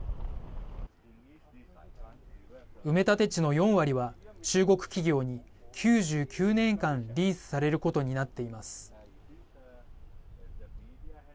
埋め立て地の４割は中国企業に９９年間リースされることになっています。